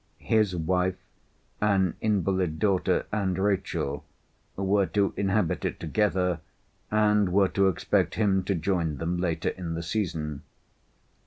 His wife, an invalid daughter, and Rachel were to inhabit it together, and were to expect him to join them later in the season.